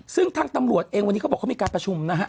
ซึ่งทางตำรวจเองวันนี้เขาบอกเขามีการประชุมนะฮะ